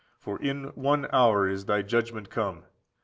for in one hour is thy judgment come.